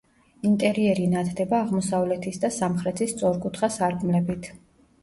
ინტერიერი ნათდება აღმოსავლეთის და სამხრეთის სწორკუთხა სარკმლებით.